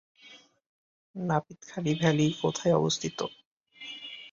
Napitkhali valley কোথায় অবস্থিত?